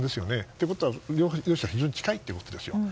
とういうことは両者は非常に近いということですよ。